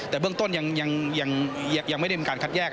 แต่เบื้องต้นยังไม่ได้มีการคัดแยก